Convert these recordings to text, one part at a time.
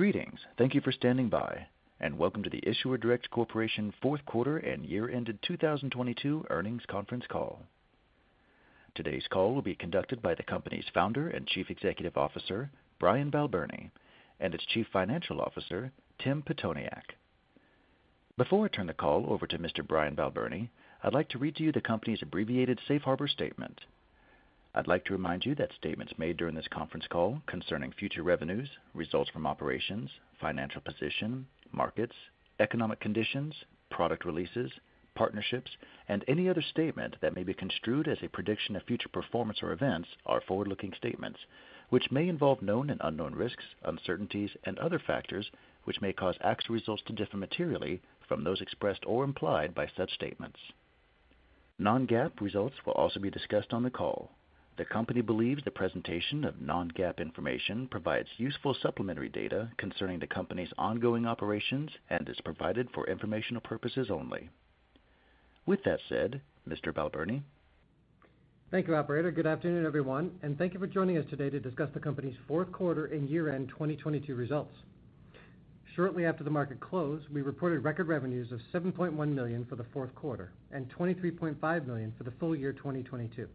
Greetings. Thank you for standing by, and welcome to the Issuer Direct Corporation Q4 and year-ended 2022 earnings conference call. Today's call will be conducted by the company's Founder and Chief Executive Officer, Brian Balbirnie, and its Chief Financial Officer, Tim Pitoniak. Before I turn the call over to Mr. Brian Balbirnie, I'd like to read to you the company's abbreviated safe harbor statement. I'd like to remind you that statements made during this conference call concerning future revenues, results from operations, financial position, markets, economic conditions, product releases, partnerships, and any other statement that may be construed as a prediction of future performance or events are forward-looking statements which may involve known and unknown risks, uncertainties and other factors which may cause actual results to differ materially from those expressed or implied by such statements. Non-GAAP results will also be discussed on the call. The company believes the presentation of non-GAAP information provides useful supplementary data concerning the company's ongoing operations and is provided for informational purposes only. With that said, Mr. Balbirnie. Thank you, operator. Good afternoon, everyone, thank you for joining us today to discuss the company's Q4 and year-end 2022 results. Shortly after the market closed, we reported record revenues of $7.1 million for the Q4 and $23.5 million for the full year 2022.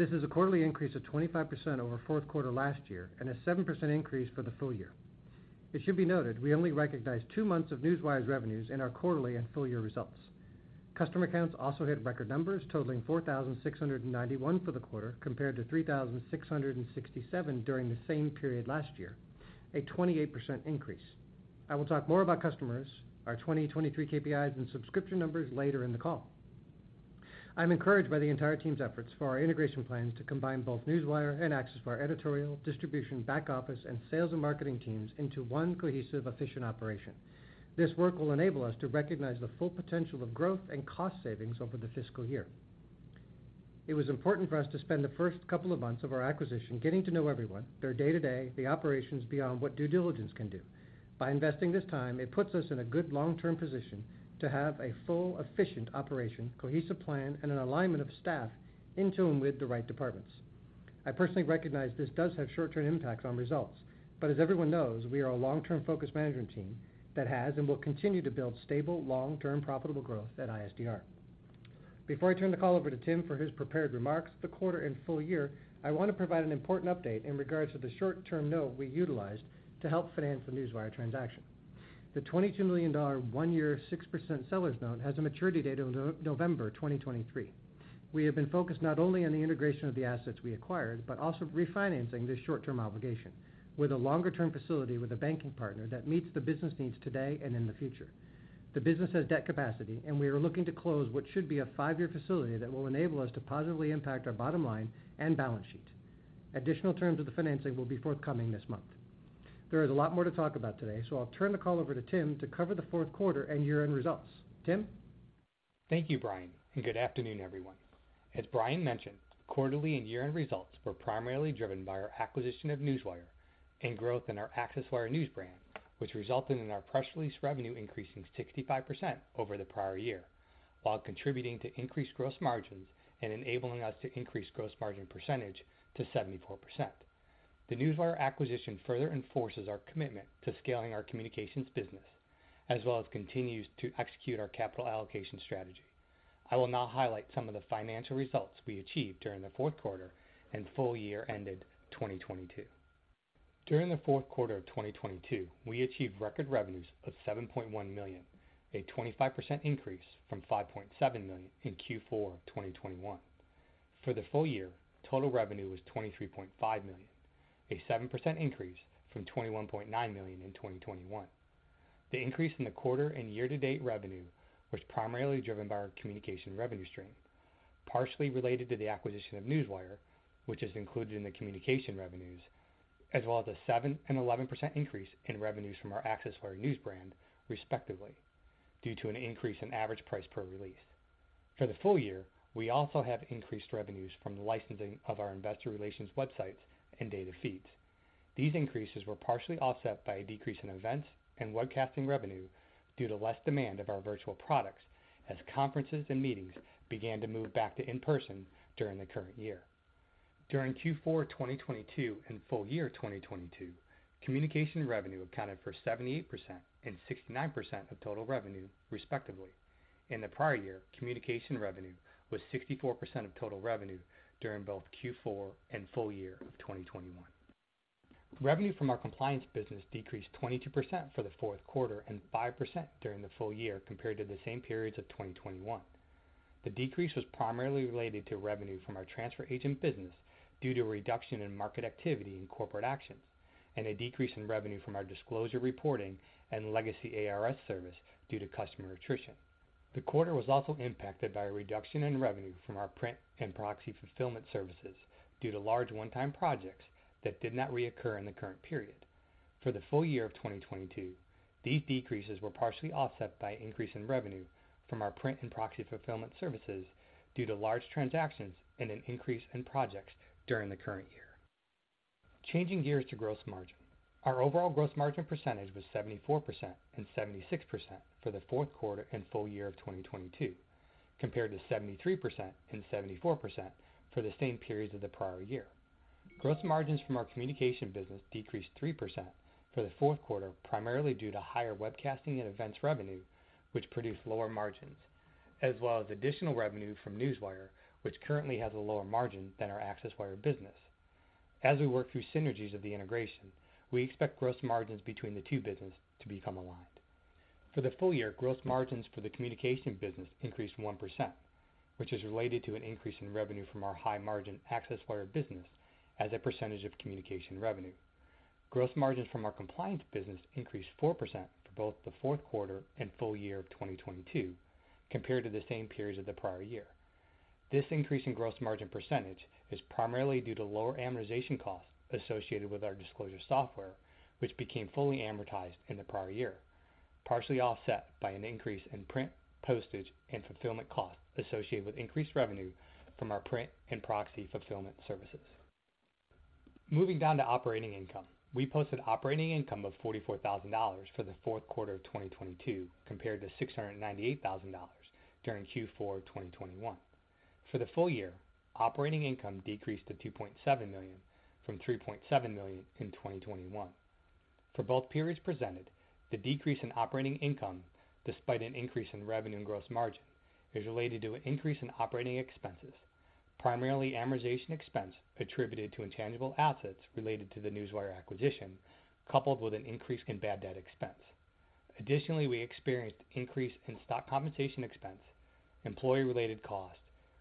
This is a quarterly increase of 25% over Q4 last year and a 7% increase for the full year. It should be noted we only recognized two months of Newswire's revenues in our quarterly and full year results. Customer accounts also hit record numbers totaling 4,691 for the quarter, compared to 3,667 during the same period last year, a 28% increase. I will talk more about customers, our 2023 KPIs and subscription numbers later in the call. I'm encouraged by the entire team's efforts for our integration plans to combine both Newswire and ACCESSWIRE editorial, distribution, back office and sales and marketing teams into one cohesive, efficient operation. This work will enable us to recognize the full potential of growth and cost savings over the fiscal year. It was important for us to spend the first couple of months of our acquisition getting to know everyone, their day-to-day, the operations beyond what due diligence can do. By investing this time, it puts us in a good long-term position to have a full, efficient operation, cohesive plan and an alignment of staff in tune with the right departments. I personally recognize this does have short-term impacts on results, but as everyone knows, we are a long-term focused management team that has and will continue to build stable, long-term profitable growth at ISDR. Before I turn the call over to Tim for his prepared remarks, the quarter and full year, I want to provide an important update in regards to the short-term note we utilized to help finance the Newswire transaction. The $22 million 1-year 6% seller's note has a maturity date of November 2023. We have been focused not only on the integration of the assets we acquired, but also refinancing this short-term obligation with a longer-term facility with a banking partner that meets the business needs today and in the future. The business has debt capacity. We are looking to close what should be a five-year facility that will enable us to positively impact our bottom line and balance sheet. Additional terms of the financing will be forthcoming this month. There is a lot more to talk about today. I'll turn the call over to Tim to cover the Q4 and year-end results. Tim? Thank you, Brian, and good afternoon, everyone. As Brian mentioned, quarterly and year-end results were primarily driven by our acquisition of Newswire and growth in our ACCESSWIRE news brand, which resulted in our press release revenue increasing 65% over the prior year, while contributing to increased gross margins and enabling us to increase gross margin percentage to 74%. The Newswire acquisition further enforces our commitment to scaling our communications business as well as continues to execute our capital allocation strategy. I will now highlight some of the financial results we achieved during the Q4 and full year ended 2022. During the Q4 of 2022, we achieved record revenues of $7.1 million, a 25% increase from $5.7 million in Q4 2021. For the full year, total revenue was $23.5 million, a 7% increase from $21.9 million in 2021. The increase in the quarter and year to date revenue was primarily driven by our communication revenue stream, partially related to the acquisition of Newswire, which is included in the communication revenues, as well as a 7% and 11% increase in revenues from our ACCESSWIRE news brand, respectively, due to an increase in average price per release. For the full year, we also have increased revenues from the licensing of our investor relations websites and data feeds. These increases were partially offset by a decrease in events and webcasting revenue due to less demand of our virtual products as conferences and meetings began to move back to in-person during the current year. During Q4 2022 and full year 2022, communication revenue accounted for 78% and 69% of total revenue, respectively. In the prior year, communication revenue was 64% of total revenue during both Q4 and full year 2021. Revenue from our compliance business decreased 22% for the Q4 and 5% during the full year compared to the same periods of 2021. The decrease was primarily related to revenue from our transfer agent business due to a reduction in market activity in corporate actions and a decrease in revenue from our disclosure reporting and legacy ARS service due to customer attrition. The quarter was also impacted by a reduction in revenue from our print and proxy fulfillment services due to large one-time projects that did not reoccur in the current period. For the full year of 2022, these decreases were partially offset by an increase in revenue from our print and proxy fulfillment services due to large transactions and an increase in projects during the current year. Changing gears to gross margin. Our overall gross margin percentage was 74% and 76% for the Q4 and full year of 2022. Compared to 73% and 74% for the same periods of the prior year. Gross margins from our communication business decreased 3% for the Q4, primarily due to higher webcasting and events revenue, which produced lower margins, as well as additional revenue from Newswire, which currently has a lower margin than our ACCESSWIRE business. As we work through synergies of the integration, we expect gross margins between the two businesses to become aligned. For the full year, gross margins for the communication business increased 1%, which is related to an increase in revenue from our high-margin ACCESSWIRE business as a percentage of communication revenue. Gross margins from our compliance business increased 4% for both the Q4 and full year of 2022 compared to the same periods of the prior year. This increase in gross margin percentage is primarily due to lower amortization costs associated with our disclosure software, which became fully amortized in the prior year, partially offset by an increase in print, postage, and fulfillment costs associated with increased revenue from our print and proxy fulfillment services. Moving down to operating income, we posted operating income of $44,000 for the Q4 of 2022 compared to $698,000 during Q4 of 2021. For the full year, operating income decreased to $2.7 million from $3.7 million in 2021. For both periods presented, the decrease in operating income, despite an increase in revenue and gross margin, is related to an increase in operating expenses, primarily amortization expense attributed to intangible assets related to the Newswire acquisition, coupled with an increase in bad debt expense. Additionally, we experienced increase in stock compensation expense, employee-related costs,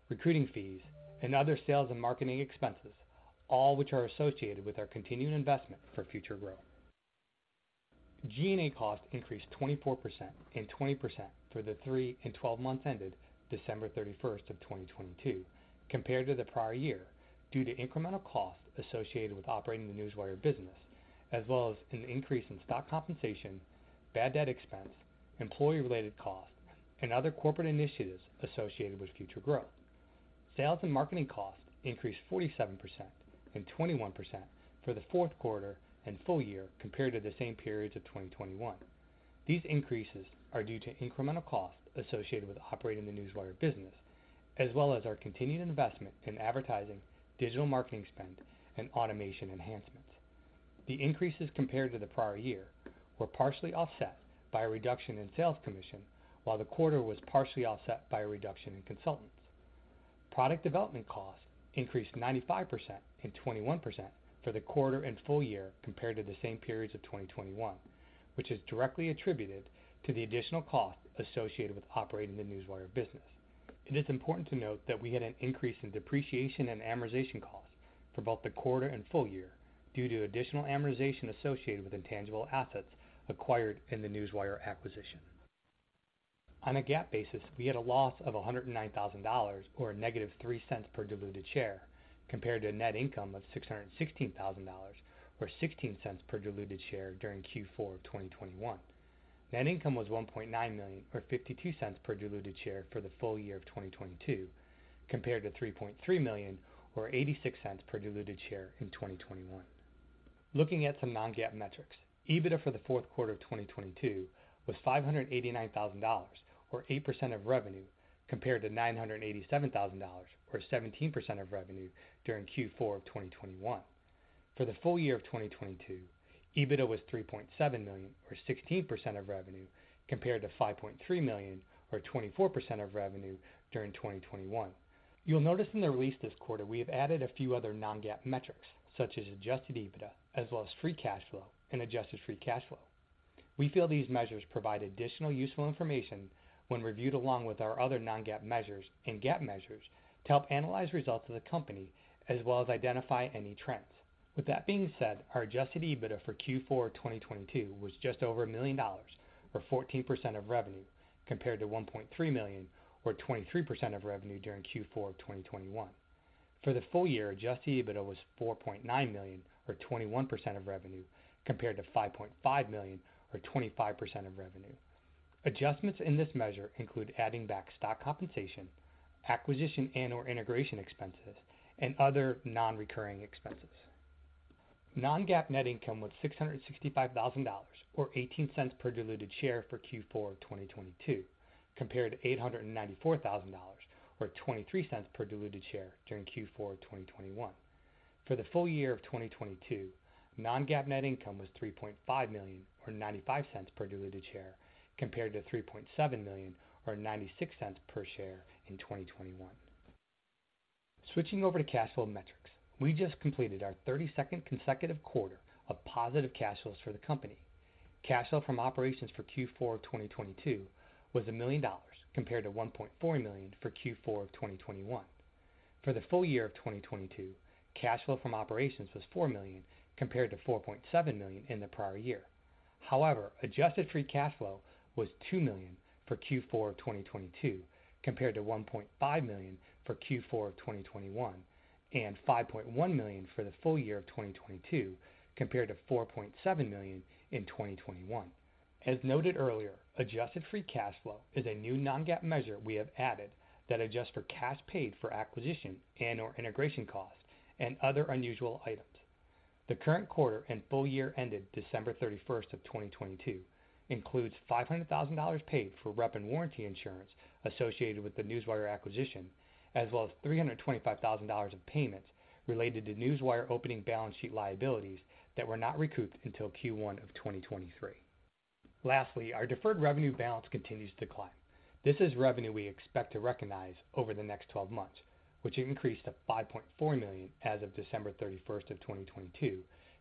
recruiting fees, and other sales and marketing expenses, all which are associated with our continued investment for future growth. G&A costs increased 24% and 20% for the three and 12 months ended December 31st of 2022 compared to the prior year due to incremental costs associated with operating the Newswire business, as well as an increase in stock compensation, bad debt expense, employee-related costs, and other corporate initiatives associated with future growth. Sales and marketing costs increased 47% and 21% for the Q4 and full year compared to the same periods of 2021. These increases are due to incremental costs associated with operating the Newswire business, as well as our continued investment in advertising, digital marketing spend, and automation enhancements. The increases compared to the prior year were partially offset by a reduction in sales commission, while the quarter was partially offset by a reduction in consultants. Product development costs increased 95% and 21% for the quarter and full year compared to the same periods of 2021, which is directly attributed to the additional costs associated with operating the Newswire business. It is important to note that we had an increase in depreciation and amortization costs for both the quarter and full year due to additional amortization associated with intangible assets acquired in the Newswire acquisition. On a GAAP basis, we had a loss of $109,000 or -$0.03 per diluted share, compared to a net income of $616,000 or $0.16 per diluted share during Q4 of 2021. Net income was $1.9 million or $0.52 per diluted share for the full year of 2022, compared to $3.3 million or $0.86 per diluted share in 2021. Looking at some non-GAAP metrics, EBITDA for the Q4 of 2022 was $589,000 or 8% of revenue, compared to $987,000 or 17% of revenue during Q4 of 2021. For the full year of 2022, EBITDA was $3.7 million or 16% of revenue, compared to $5.3 million or 24% of revenue during 2021. You'll notice in the release this quarter, we have added a few other non-GAAP metrics, such as Adjusted EBITDA as well as free cash flow and adjusted free cash flow. We feel these measures provide additional useful information when reviewed along with our other non-GAAP measures and GAAP measures to help analyze results of the company as well as identify any trends. With that being said, our Adjusted EBITDA for Q4 of 2022 was just over $1 million or 14% of revenue, compared to $1.3 million or 23% of revenue during Q4 of 2021. For the full year, Adjusted EBITDA was $4.9 million or 21% of revenue, compared to $5.5 million or 25% of revenue. Adjustments in this measure include adding back stock compensation, acquisition and/or integration expenses, and other non-recurring expenses. Non-GAAP net income was $665,000 or $0.18 per diluted share for Q4 of 2022, compared to $894,000 or $0.23 per diluted share during Q4 of 2021. For the full year of 2022, non-GAAP net income was $3.5 million or $0.95 per diluted share, compared to $3.7 million or $0.96 per share in 2021. Switching over to cash flow metrics, we just completed our 32nd consecutive quarter of positive cash flows for the company. Cash flow from operations for Q4 of 2022 was $1 million compared to $1.4 million for Q4 of 2021. For the full year of 2022, cash flow from operations was $4 million compared to $4.7 million in the prior year. Adjusted free cash flow was $2 million for Q4 of 2022 compared to $1.5 million for Q4 of 2021 and $5.1 million for the full year of 2022 compared to $4.7 million in 2021. As noted earlier, adjusted free cash flow is a new non-GAAP measure we have added that adjusts for cash paid for acquisition and/or integration costs and other unusual items. The current quarter and full year ended December 31st of 2022 includes $500,000 paid for representations and warranties insurance associated with the Newswire acquisition, as well as $325,000 of payments related to Newswire opening balance sheet liabilities that were not recouped until Q1 of 2023. Lastly, our deferred revenue balance continues to decline. This is revenue we expect to recognize over the next 12 months, which increased to $5.4 million as of December 31st of 2022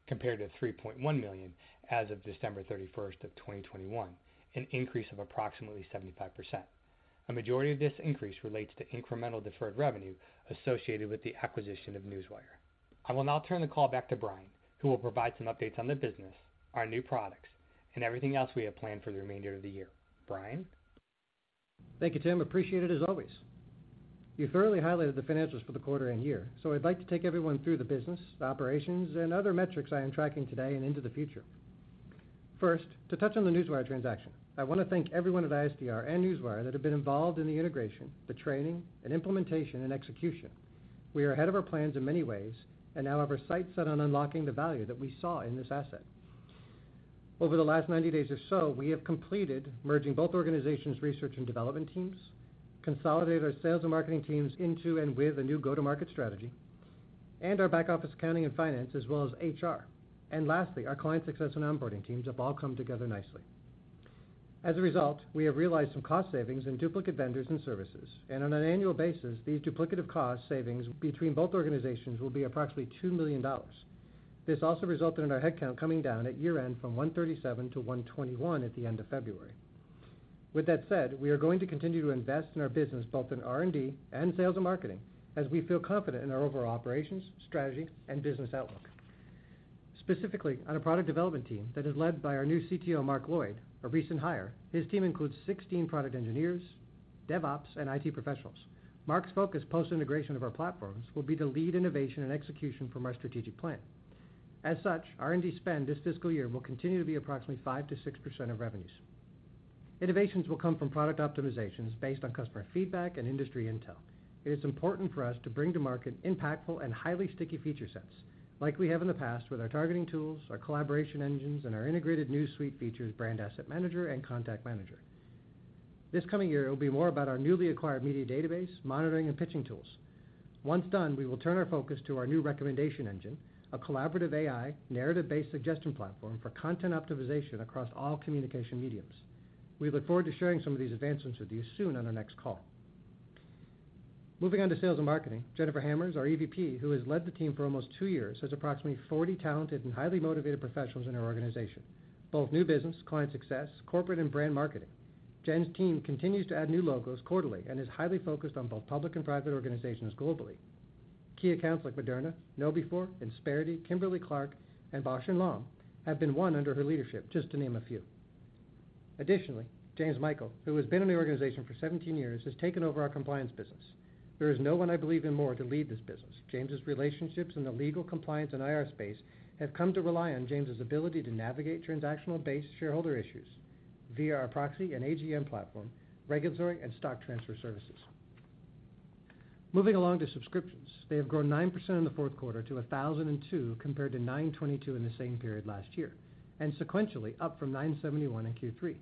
compared to $3.1 million as of December 31st of 2021, an increase of approximately 75%.A majority of this increase relates to incremental deferred revenue associated with the acquisition of Newswire. I will now turn the call back to Brian, who will provide some updates on the business, our new products, and everything else we have planned for the remainder of the year. Brian? Thank you, Tim. Appreciate it as always. You thoroughly highlighted the financials for the quarter and year. I'd like to take everyone through the business, the operations, and other metrics I am tracking today and into the future. First, to touch on the Newswire transaction, I want to thank everyone at ISDR and Newswire that have been involved in the integration, the training and implementation and execution. We are ahead of our plans in many ways and now have our sights set on unlocking the value that we saw in this asset. Over the last 90 days or so, we have completed merging both organizations R&D teams, consolidated our sales and marketing teams into and with a new go-to-market strategy, and our back office accounting and finance as well as HR. Lastly, our client success and onboarding teams have all come together nicely. As a result, we have realized some cost savings in duplicate vendors and services. On an annual basis, these duplicative cost savings between both organizations will be approximately $2 million. This also resulted in our headcount coming down at year-end from 137 to 121 at the end of February. With that said, we are going to continue to invest in our business both in R&D and sales and marketing as we feel confident in our overall operations, strategy, and business outlook. Specifically on a product development team that is led by our new CTO, Mark Lloyd, a recent hire. His team includes 16 product engineers, DevOps, and IT professionals. Mark's focus post-integration of our platforms will be to lead innovation and execution from our strategic plan. R&D spend this fiscal year will continue to be approximately 5%-6% of revenues. Innovations will come from product optimizations based on customer feedback and industry intel. It is important for us to bring to market impactful and highly sticky feature sets like we have in the past with our targeting tools, our collaboration engines, and our integrated new suite features, Brand Asset Manager and Contact Manager. This coming year, it will be more about our newly acquired media database monitoring and pitching tools. Once done, we will turn our focus to our new recommendation engine, a collaborative AI narrative-based suggestion platform for content optimization across all communication mediums. We look forward to sharing some of these advancements with you soon on our next call. Moving on to sales and marketing. Jennifer Hammers, our EVP, who has led the team for almost two years, has approximately 40 talented and highly motivated professionals in her organization, both new business, client success, corporate and brand marketing. Jen's team continues to add new logos quarterly and is highly focused on both public and private organizations globally. Key accounts like Moderna, KnowBe4, Insperity, Kimberly-Clark, and Bausch + Lomb have been won under her leadership, just to name a few. Additionally, James Michael, who has been in the organization for 17 years, has taken over our compliance business. There is no one I believe in more to lead this business. James's relationships in the legal, compliance, and IR space have come to rely on James's ability to navigate transactional-based shareholder issues via our proxy and AGM platform, regulatory and stock transfer services. Moving along to subscriptions. They have grown 9% in the Q4 to 1,002 compared to 922 in the same period last year, and sequentially up from 971 in Q3.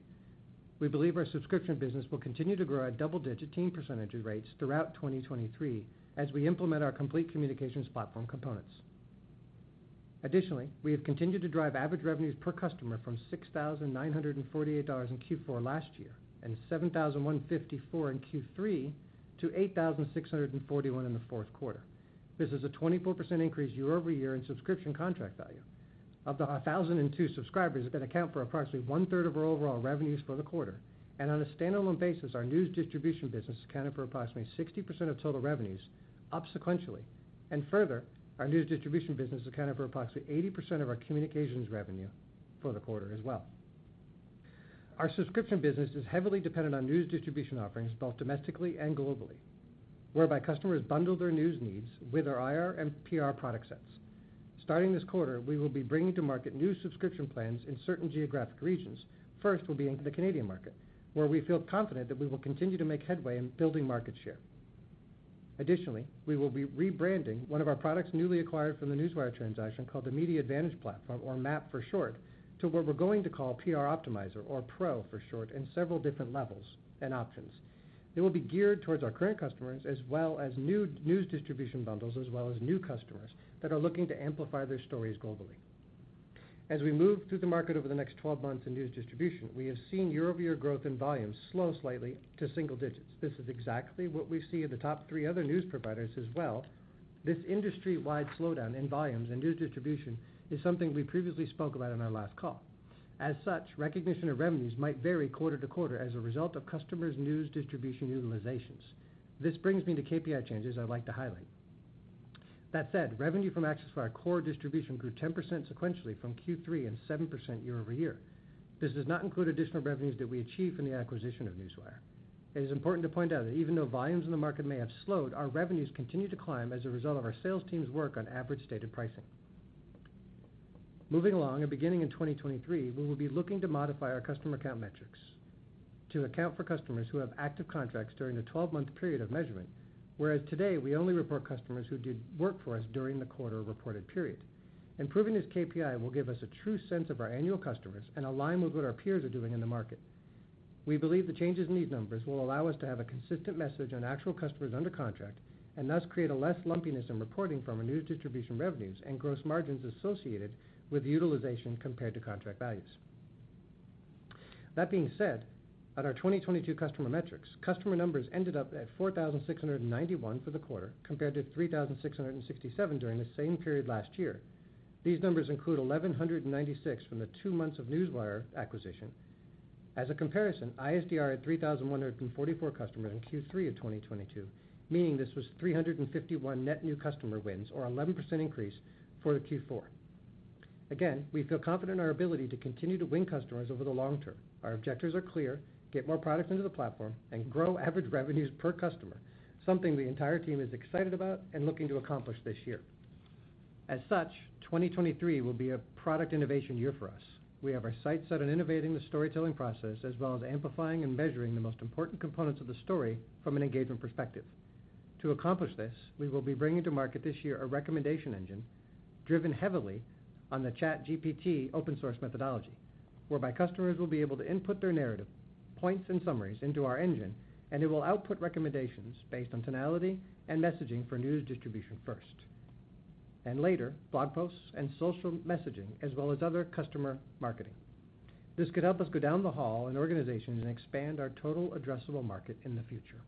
We believe our subscription business will continue to grow at double-digit teen % rates throughout 2023 as we implement our complete communications platform components. Additionally, we have continued to drive average revenues per customer from $6,948 in Q4 last year and $7,154 in Q3 to $8,641 in the Q4. This is a 24% increase year-over-year in subscription contract value. Of the 1,002 subscribers that account for approximately 1/3 of our overall revenues for the quarter. On a standalone basis, our news distribution business accounted for approximately 60% of total revenues up sequentially. Further, our news distribution business accounted for approximately 80% of our communications revenue for the quarter as well. Our subscription business is heavily dependent on news distribution offerings both domestically and globally, whereby customers bundle their news needs with our IR and PR product sets. Starting this quarter, we will be bringing to market new subscription plans in certain geographic regions. First will be in the Canadian market, where we feel confident that we will continue to make headway in building market share. Additionally, we will be rebranding one of our products newly acquired from the Newswire transaction, called the Media Advantage Platform or MAP for short, to what we're going to call PR Optimizer or PRO for short, in several different levels and options. It will be geared towards our current customers as well as new news distribution bundles, as well as new customers that are looking to amplify their stories globally. As we move through the market over the next 12 months in news distribution, we have seen year-over-year growth in volumes slow slightly to single digits. This is exactly what we see in the top three other news providers as well. This industry-wide slowdown in volumes and news distribution is something we previously spoke about on our last call. As such, recognition of revenues might vary quarter to quarter as a result of customers' news distribution utilizations. This brings me to KPI changes I'd like to highlight. That said, revenue from ACCESSWIRE core distribution grew 10% sequentially from Q3 and 7% year-over-year. This does not include additional revenues that we achieved from the acquisition of Newswire. It is important to point out that even though volumes in the market may have slowed, our revenues continue to climb as a result of our sales team's work on average stated pricing. Moving along beginning in 2023, we will be looking to modify our customer count metrics to account for customers who have active contracts during the 12-month period of measurement. Whereas today, we only report customers who did work for us during the quarter reported period. Improving this KPI will give us a true sense of our annual customers and align with what our peers are doing in the market. We believe the changes in these numbers will allow us to have a consistent message on actual customers under contract, thus create a less lumpiness in reporting from our news distribution revenues and gross margins associated with utilization compared to contract values. That being said, at our 2022 customer metrics, customer numbers ended up at 4,691 for the quarter compared to 3,667 during the same period last year. These numbers include 1,196 from the two months of Newswire acquisition. As a comparison, ISDR had 3,144 customers in Q3 of 2022, meaning this was 351 net new customer wins or 11% increase for the Q4. Again, we feel confident in our ability to continue to win customers over the long term. Our objectives are clear. Get more products into the platform and grow average revenues per customer, something the entire team is excited about and looking to accomplish this year. As such, 2023 will be a product innovation year for us. We have our sights set on innovating the storytelling process, as well as amplifying and measuring the most important components of the story from an engagement perspective. To accomplish this, we will be bringing to market this year a recommendation engine driven heavily on the ChatGPT open source methodology, whereby customers will be able to input their narrative, points, and summaries into our engine, and it will output recommendations based on tonality and messaging for news distribution first, and later blog posts and social messaging, as well as other customer marketing. This could help us go down the hall in organizations and expand our total addressable market in the future.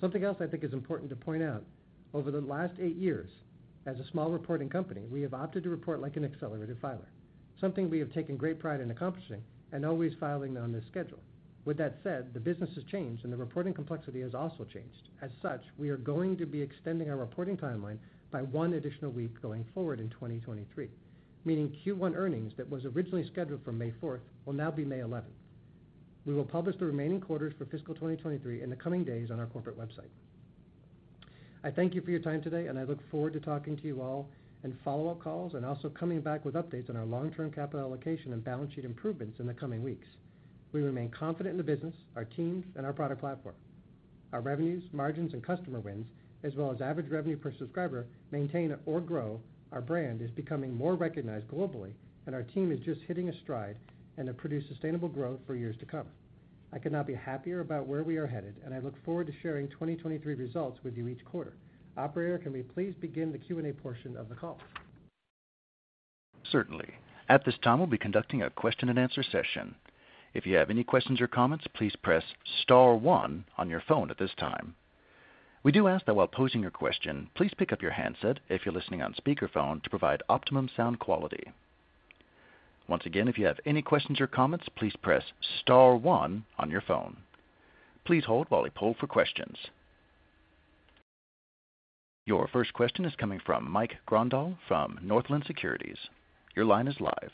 Something else I think is important to point out. Over the last eight years, as a smaller reporting company, we have opted to report like an accelerated filer, something we have taken great pride in accomplishing and always filing on this schedule. The business has changed and the reporting complexity has also changed. We are going to be extending our reporting timeline by one additional week going forward in 2023. Q1 earnings that was originally scheduled for May 4th will now be May 11th. We will publish the remaining quarters for fiscal 2023 in the coming days on our corporate website. I thank you for your time today. I look forward to talking to you all in follow-up calls and also coming back with updates on our long-term capital allocation and balance sheet improvements in the coming weeks. We remain confident in the business, our teams, and our product platform. Our revenues, margins, and customer wins, as well as average revenue per subscriber, maintain or grow. Our brand is becoming more recognized globally, and our team is just hitting a stride and to produce sustainable growth for years to come. I could not be happier about where we are headed, and I look forward to sharing 2023 results with you each quarter. Operator, can we please begin the Q&A portion of the call? Certainly. At this time, we'll be conducting a question and answer session. If you have any questions or comments, please press star one on your phone at this time. We do ask that while posing your question, please pick up your handset if you're listening on speakerphone to provide optimum sound quality. Once again, if you have any questions or comments, please press star one on your phone. Please hold while we poll for questions. Your first question is coming from Michael Grondahl from Northland Securities. Your line is live.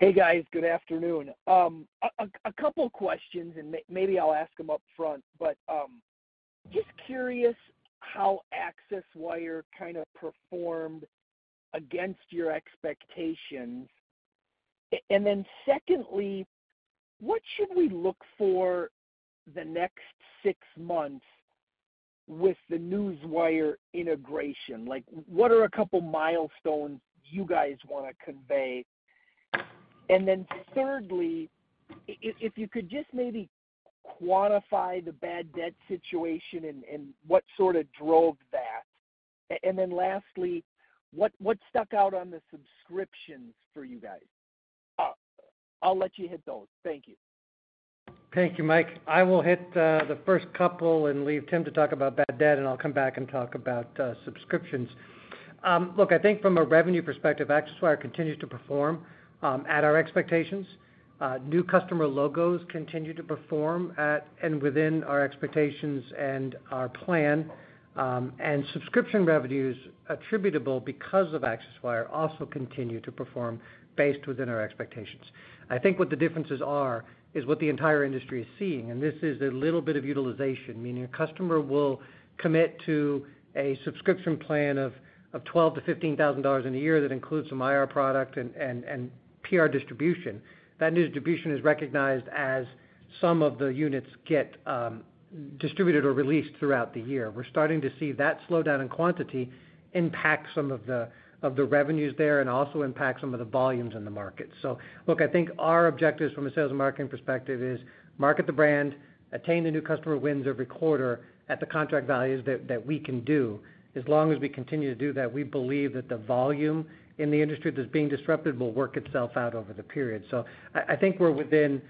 Hey, guys. Good afternoon. A couple of questions and maybe I'll ask them up front. Just curious how ACCESSWIRE kind of performed against your expectations. Then secondly, what should we look for the next six months with the Newswire integration? Like, what are a couple milestones you guys wanna convey? Then thirdly, if you could just maybe quantify the bad debt situation and what sort of drove that. Then lastly, what stuck out on the subscriptions for you guys? I'll let you hit those. Thank you. Thank you, Mike. I will hit the first couple and leave Tim to talk about bad debt. I'll come back and talk about subscriptions. Look, I think from a revenue perspective, ACCESSWIRE continues to perform at our expectations. New customer logos continue to perform at and within our expectations and our plan. Subscription revenues attributable because of ACCESSWIRE also continue to perform based within our expectations. I think what the differences are is what the entire industry is seeing. This is a little bit of utilization, meaning a customer will commit to a subscription plan of $12,000-$15,000 in a year that includes some IR product and PR distribution. That news distribution is recognized as some of the units get distributed or released throughout the year. We're starting to see that slowdown in quantity impact some of the revenues there and also impact some of the volumes in the market. Look, I think our objectives from a sales and marketing perspective is market the brand, attain the new customer wins every quarter at the contract values that we can do. As long as we continue to do that, we believe that the volume in the industry that's being disrupted will work itself out over the period. I think we're within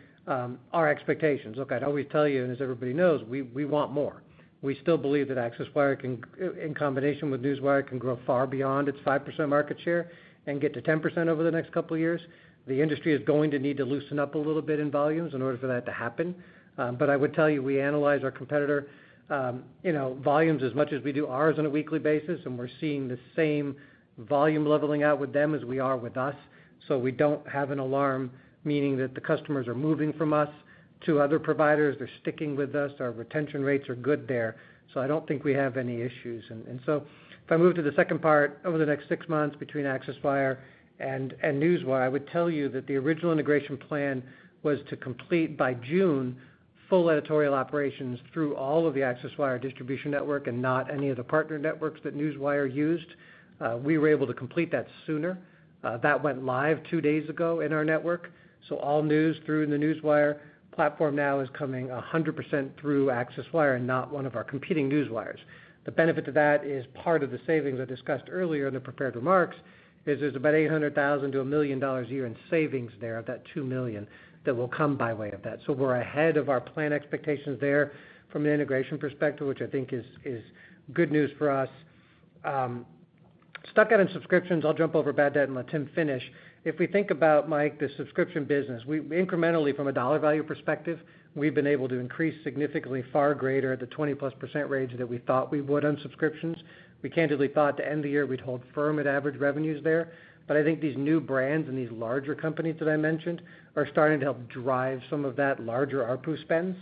our expectations. Look, I'd always tell you, and as everybody knows, we want more. We still believe that ACCESSWIRE can, in combination with Newswire, can grow far beyond its 5% market share and get to 10% over the next couple of years. The industry is going to need to loosen up a little bit in volumes in order for that to happen. I would tell you, we analyze our competitor, you know, volumes as much as we do ours on a weekly basis, and we're seeing the same volume leveling out with them as we are with us. We don't have an alarm, meaning that the customers are moving from us to other providers. They're sticking with us. Our retention rates are good there. I don't think we have any issues. If I move to the second part over the next six months between ACCESSWIRE and Newswire, I would tell you that the original integration plan was to complete by June full editorial operations through all of the ACCESSWIRE distribution network and not any of the partner networks that Newswire used. We were able to complete that sooner. That went live two days ago in our network, so all news through the Newswire platform now is coming 100% through ACCESSWIRE and not one of our competing newswires. The benefit to that is part of the savings I discussed earlier in the prepared remarks is there's about $800,000-$1 million a year in savings there of that $2 million that will come by way of that. We're ahead of our plan expectations there from an integration perspective, which I think is good news for us. Stuck out in subscriptions. I'll jump over bad debt and let Tim finish. If we think about, Mike, the subscription business, we incrementally from a dollar value perspective, we've been able to increase significantly far greater at the 20%+ range that we thought we would on subscriptions. We candidly thought at the end of the year we'd hold firm at average revenues there. I think these new brands and these larger companies that I mentioned are starting to help drive some of that larger ARPU spends.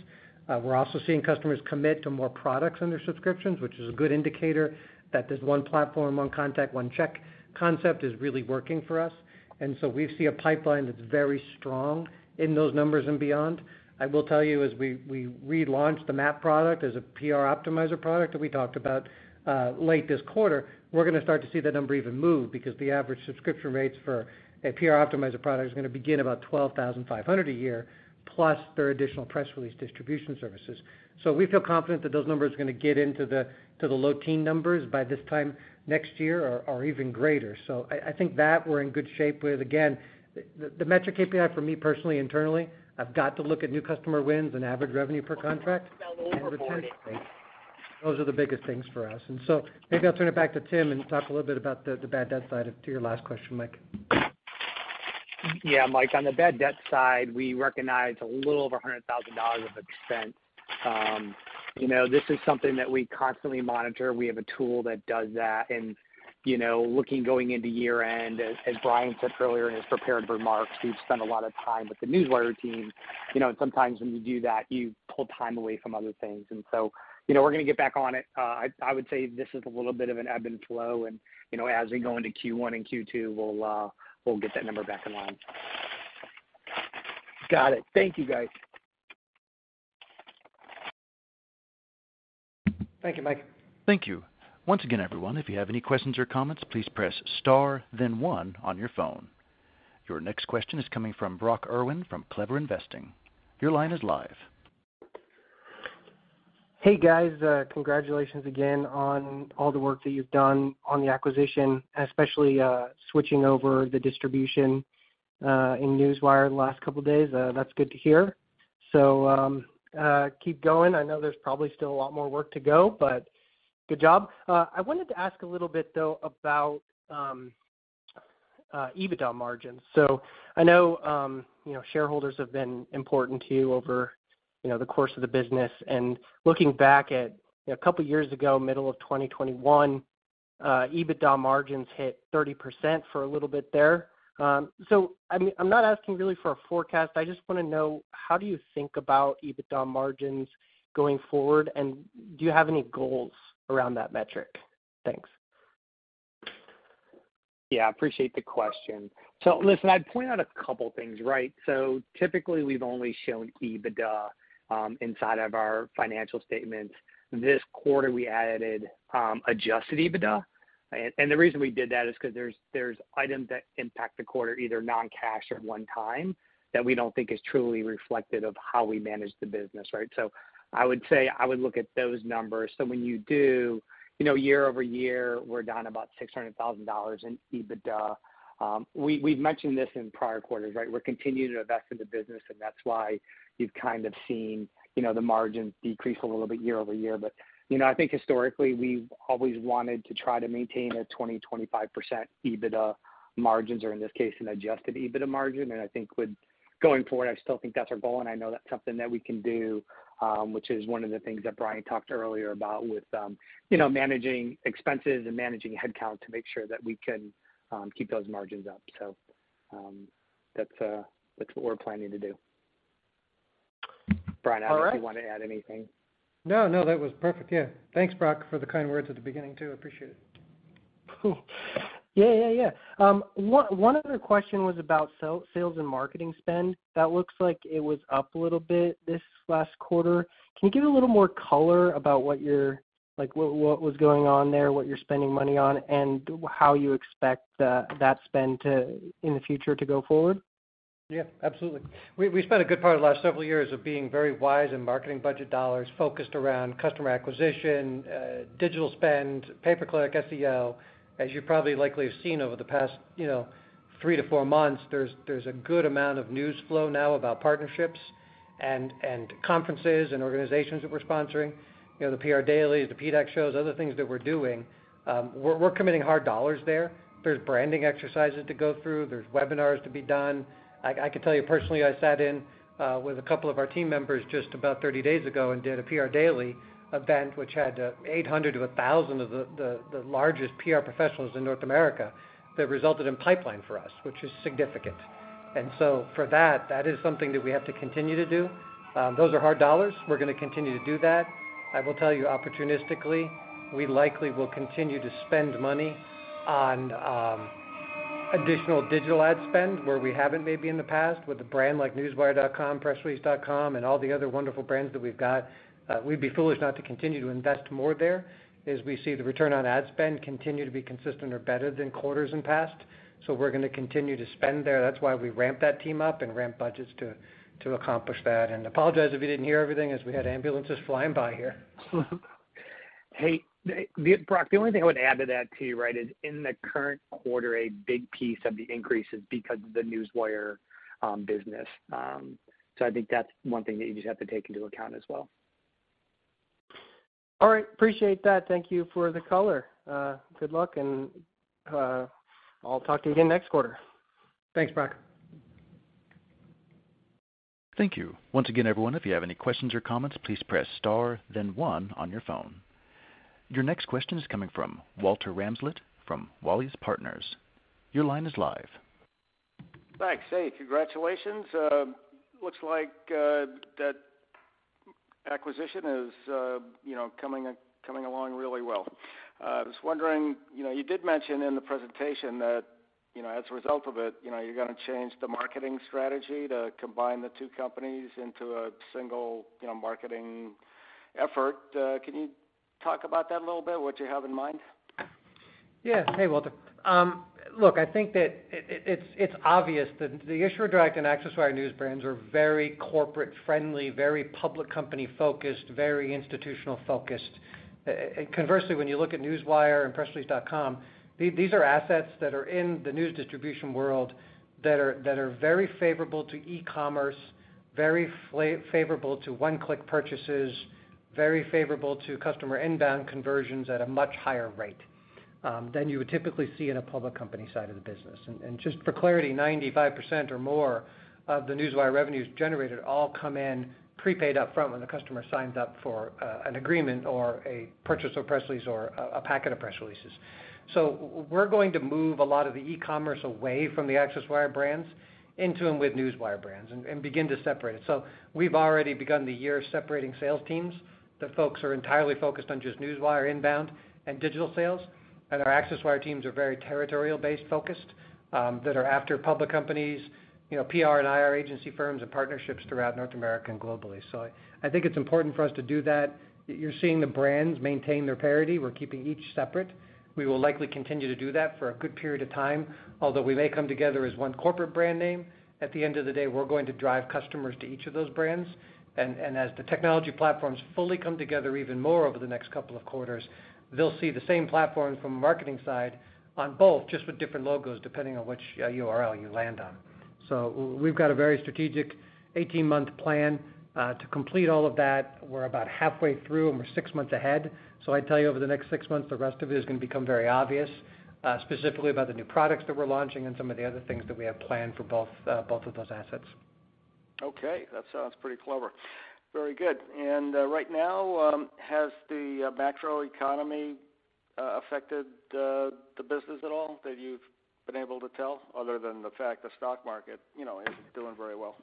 We're also seeing customers commit to more products under subscriptions, which is a good indicator that this one platform, one contact, one check concept is really working for us. We see a pipeline that's very strong in those numbers and beyond. I will tell you as we relaunched the MAP product as a PR optimizer product that we talked about late this quarter, we're gonna start to see that number even move because the average subscription rates for a PR optimizer product is gonna begin about $12,500 a year plus their additional press release distribution services. We feel confident that those numbers are gonna get into the low teen numbers by this time next year or even greater. I think that we're in good shape with. Again, the metric KPI for me personally, internally, I've got to look at new customer wins and average revenue per contract and retention rates. Those are the biggest things for us. Maybe I'll turn it back to Tim and talk a little bit about the bad debt side to your last question, Mike. Yeah. Mike, on the bad debt side, we recognize a little over $100,000 of expense. You know, this is something that we constantly monitor. We have a tool that does that. You know, looking, going into year-end, as Brian said earlier in his prepared remarks, we've spent a lot of time with the Newswire team. You know, and sometimes when you do that, you pull time away from other things. You know, we're gonna get back on it. I would say this is a little bit of an ebb and flow and, you know, as we go into Q1 and Q2, we'll get that number back in line. Got it. Thank you, guys. Thank you, Mike. Thank you. Once again, everyone, if you have any questions or comments, please press star then one on your phone. Your next question is coming from Brock Erwin from Clever Investing. Your line is live. Hey, guys, congratulations again on all the work that you've done on the acquisition, especially switching over the distribution in Newswire the last couple days. That's good to hear. Keep going. I know there's probably still a lot more work to go, but good job. I wanted to ask a little bit, though, about EBITDA margins. I know, you know, shareholders have been important to you over, you know, the course of the business. Looking back at, you know, a couple years ago, middle of 2021, EBITDA margins hit 30% for a little bit there. I mean, I'm not asking really for a forecast. I just wanna know how do you think about EBITDA margins going forward, and do you have any goals around that metric? Thanks. Yeah, appreciate the question. Listen, I'd point out a couple things, right? Typically, we've only shown EBITDA inside of our financial statements. This quarter, we added adjusted EBITDA. And the reason we did that is 'cause there's items that impact the quarter, either non-cash or one time that we don't think is truly reflective of how we manage the business, right? I would look at those numbers. When you do, you know, year-over-year, we're down about $600,000 in EBITDA. We've mentioned this in prior quarters, right? We're continuing to invest in the business, and that's why you've kind of seen, you know, the margins decrease a little bit year-over-year. You know, I think historically we've always wanted to try to maintain a 20%-25% EBITDA margins or in this case, an Adjusted EBITDA margin. I think going forward, I still think that's our goal, and I know that's something that we can do, which is one of the things that Brian talked earlier about with, you know, managing expenses and managing headcount to make sure that we can keep those margins up. That's what we're planning to do. Brian, I don't know if you wanna add anything. No, no, that was perfect. Yeah. Thanks, Brock, for the kind words at the beginning, too. Appreciate it. Cool. Yeah, yeah. One other question was about sales and marketing spend. That looks like it was up a little bit this last quarter. Can you give a little more color about what was going on there, what you're spending money on, and how you expect that spend in the future to go forward? Yeah, absolutely. We spent a good part of the last several years of being very wise in marketing budget dollars focused around customer acquisition, digital spend, pay per click, SEO. As you probably likely have seen over the past, you know, three to four months, there's a good amount of news flow now about partnerships And. Conferences and organizations that we're sponsoring, you know, the PR Dailies, the PDX shows, other things that we're doing, we're committing hard dollars there. There's branding exercises to go through. There's webinars to be done. I could tell you personally, I sat in with a couple of our team members just about 30 days ago and did a PR Daily event which had 800 to 1,000 of the largest PR professionals in North America that resulted in pipeline for us, which is significant. For that is something that we have to continue to do. Those are hard dollars. We're gonna continue to do that. I will tell you opportunistically, we likely will continue to spend money on additional digital ad spend where we haven't maybe in the past, with a brand like Newswire.com, PressRelease.com and all the other wonderful brands that we've got. We'd be foolish not to continue to invest more there as we see the return on ad spend continue to be consistent or better than quarters in past. We're gonna continue to spend there. That's why we ramp that team up and ramp budgets to accomplish that. Apologize if you didn't hear everything as we had ambulances flying by here. Hey, Brock, the only thing I would add to that too, right, is in the current quarter, a big piece of the increase is because of the Newswire business. I think that's one thing that you just have to take into account as well. All right. Appreciate that. Thank you for the color. Good luck and I'll talk to you again next quarter. Thanks, Brock. Thank you. Once again, everyone, if you have any questions or comments, please press star then one on your phone. Your next question is coming from Walter Ramslett from Wally's Partners. Your line is live. Thanks. Hey, congratulations. Looks like that acquisition is, you know, coming along really well. I was wondering, you know, you did mention in the presentation that, you know, as a result of it, you know, you're gonna change the marketing strategy to combine the two companies into a single, you know, marketing effort. Can you talk about that a little bit, what you have in mind? Yeah. Hey, Walter. Look, I think that it's obvious that the Issuer Direct and ACCESSWIRE news brands are very corporate friendly, very public company-focused, very institutional-focused. Conversely, when you look at Newswire and PressRelease.com, these are assets that are in the news distribution world that are very favorable to e-commerce, very favorable to one-click purchases, very favorable to customer inbound conversions at a much higher rate than you would typically see in a public company side of the business. Just for clarity, 95% or more of the Newswire revenues generated all come in prepaid up front when the customer signs up for an agreement or a purchase of press release or a packet of press releases. We're going to move a lot of the e-commerce away from the ACCESSWIRE brands into and with Newswire brands and begin to separate it. We've already begun the year separating sales teams. The folks are entirely focused on just Newswire inbound and digital sales, and our ACCESSWIRE teams are very territorial-based focused that are after public companies, you know, PR and IR agency firms and partnerships throughout North America and globally. I think it's important for us to do that. You're seeing the brands maintain their parity. We're keeping each separate. We will likely continue to do that for a good period of time. Although we may come together as one corporate brand name, at the end of the day, we're going to drive customers to each of those brands. As the technology platforms fully come together even more over the next 2 quarters, they'll see the same platform from a marketing side on both, just with different logos, depending on which URL you land on. We've got a very strategic 18-month plan to complete all of that. We're about halfway through, and we're six months ahead. I tell you, over the next six months, the rest of it is gonna become very obvious, specifically about the new products that we're launching and some of the other things that we have planned for both of those assets. Okay. That sounds pretty clever. Very good. Right now, has the macro economy affected the business at all that you've been able to tell other than the fact the stock market, you know, isn't doing very well?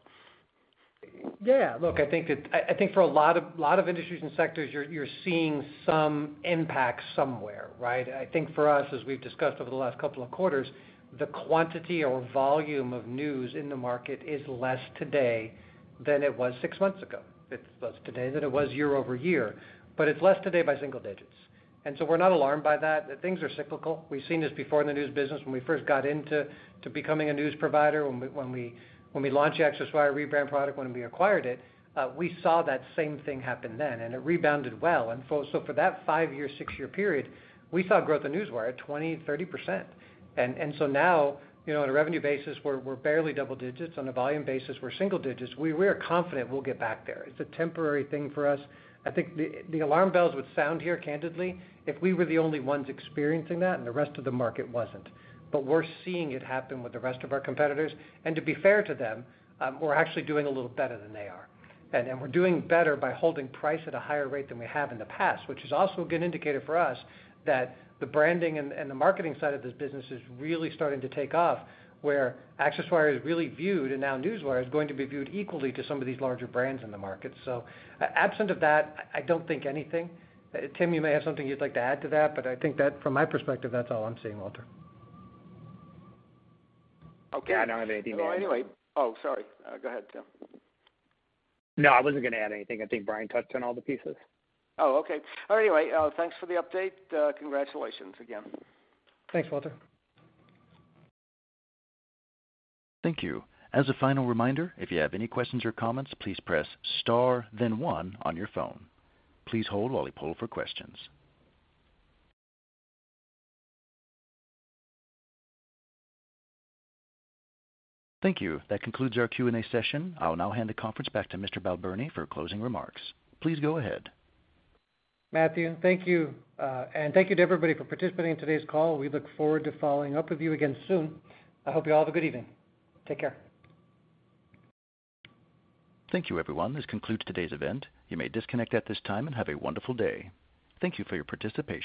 Yeah. Look, I think for a lot of industries and sectors, you're seeing some impact somewhere, right? I think for us, as we've discussed over the last couple of quarters, the quantity or volume of news in the market is less today than it was six months ago. It's less today than it was year-over-year, but it's less today by single digits. We're not alarmed by that things are cyclical. We've seen this before in the news business when we first got into becoming a news provider, when we launched the ACCESSWIRE rebrand product when we acquired it, we saw that same thing happen then, and it rebounded well. For that five-year, six-year period, we saw growth of Newswire at 20%, 30%. Now, you know, on a revenue basis, we're barely double digits. On a volume basis, we're single digits. We are confident we'll get back there. It's a temporary thing for us. I think the alarm bells would sound here candidly if we were the only ones experiencing that and the rest of the market wasn't. We're seeing it happen with the rest of our competitors. To be fair to them, we're actually doing a little better than they are. We're doing better by holding price at a higher rate than we have in the past, which is also a good indicator for us that the branding and the marketing side of this business is really starting to take off, where ACCESSWIRE is really viewed, and now Newswire is going to be viewed equally to some of these larger brands in the market. Absent of that, I don't think anything. Tim, you may have something you'd like to add to that, but I think that from my perspective, that's all I'm seeing, Walter. Okay. Yeah, I don't have anything to add. Well, anyway. Oh, sorry. Go ahead, Tim. No, I wasn't gonna add anything. I think Brian touched on all the pieces. Oh, okay. Anyway, thanks for the update. Congratulations again. Thanks, Walter. Thank you. As a final reminder, if you have any questions or comments, please press star then one on your phone. Please hold while we poll for questions. Thank you. That concludes our Q&A session. I'll now hand the conference back to Mr. Balbirnie for closing remarks. Please go ahead. Matthew, thank you. Thank you to everybody for participating in today's call. We look forward to following up with you again soon. I hope you all have a good evening. Take care. Thank you, everyone. This concludes today's event. You may disconnect at this time and have a wonderful day. Thank you for your participation.